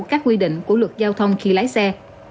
các quy định của luật giao thông khi lái xe